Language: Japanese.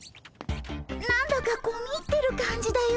何だか込み入ってる感じだよ。